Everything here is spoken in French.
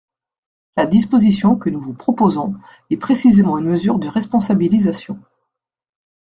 La disposition que nous vous proposons est précisément une mesure de responsabilisation.